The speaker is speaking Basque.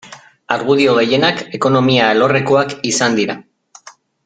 Argudio gehienak ekonomia alorrekoak izan dira.